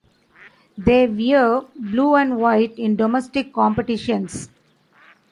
They wear blue and white in domestic competitions.